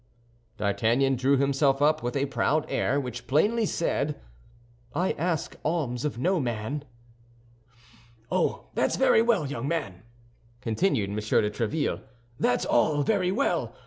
D'Artagnan drew himself up with a proud air which plainly said, "I ask alms of no man." "Oh, that's very well, young man," continued M. de Tréville, "that's all very well.